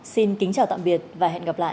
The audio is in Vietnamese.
xin kính chào tạm biệt và hẹn gặp lại